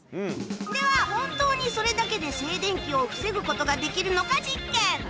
では本当にそれだけで静電気を防ぐことができるのか実験。